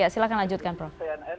silahkan lanjutkan prof